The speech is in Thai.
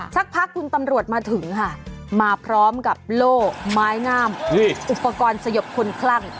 สักพักคุณตำรวจมาถึงค่ะมาพร้อมกับโล่ไม้งามอุปกรณ์สยบคนคลั่ง